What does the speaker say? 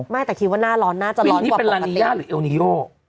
ไม่แต่คิดว่าหน้าร้อนหน้าจะร้อนกว่าปกติอุ๊ยนี่เป็นลานีย่าหรือเอลนิโย่